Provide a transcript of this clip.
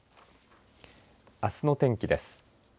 あすの天気です。